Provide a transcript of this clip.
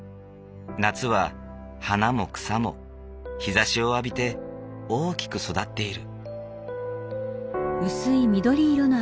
夏は花も草も日ざしを浴びて大きく育っている。